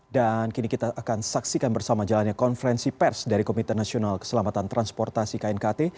dan kini kita akan saksikan bersama jalannya konferensi pers dari komite nasional keselamatan transportasi knkt